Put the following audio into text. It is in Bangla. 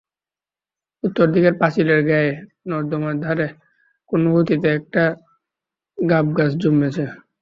উত্তরদিকের পাঁচিলের গায়ে নর্দমার ধারে কোনোগতিকে একটা গাবগাছ জন্মেছে।